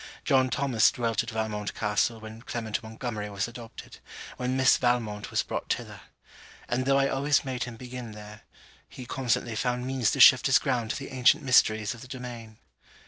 John Thomas dwelt at Valmont castle when Clement Montgomery was adopted; when Miss Valmont was brought thither and though I always made him begin there, he constantly found means to shift his ground to the ancient mysteries of the domain.